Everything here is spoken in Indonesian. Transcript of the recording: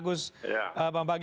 kita pindah kembali